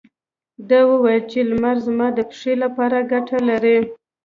ده وويل چې لمر زما د پښې لپاره ګټه لري.